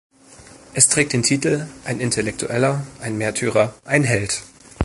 Es trägt den Titel "Ein Intellektueller, ein Märtyrer, ein Held".